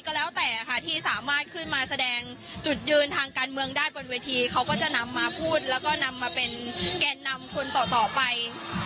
ก็แล้วแต่ค่ะที่สามารถขึ้นมาแสดงจุดยืนทางการเมืองได้บนเวทีเขาก็จะนำมาพูดแล้วก็นำมาเป็นแกนนำคนต่อไป